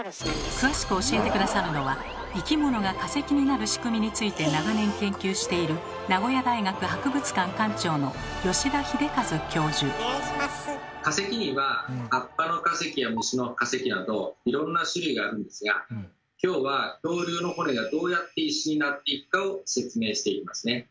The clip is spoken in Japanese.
詳しく教えて下さるのは生き物が化石になる仕組みについて長年研究している化石には葉っぱの化石や虫の化石などいろんな種類があるんですが今日は恐竜の骨がどうやって石になっていくかを説明していきますね。